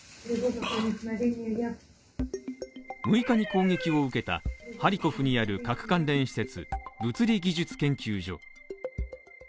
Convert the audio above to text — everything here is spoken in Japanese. ６日に攻撃を受けたハリコフにある各関連施設・物理技術研究所。